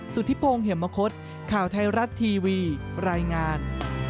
สุธิพงศ์เหมือนมะคดข่าวไทยรัตน์ทีวีรายงาน